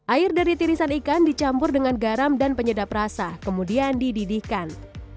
air dari tirisan ikan dicampur dengan garam dan penyedap rasa kemudian dididihkan